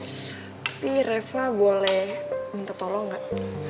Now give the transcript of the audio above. tapi reva boleh minta tolong gak